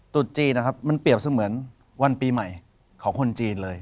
จุดจีนนะครับมันเปรียบเสมือนวันปีใหม่ของคนจีนเลย